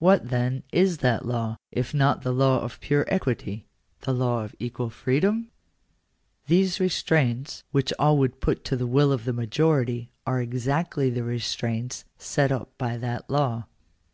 What, then, is that law, if not the law of pure equity — the law of equal freedom ? These restraints, which all would put to the will of the majority, are exactly the restraints set up by that law.